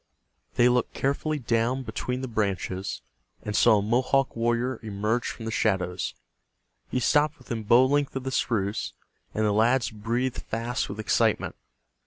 They looked carefully down between the branches and saw a Mohawk warrior emerge from the shadows. He stopped within bow length of the spruce, and the lads breathed fast with excitement.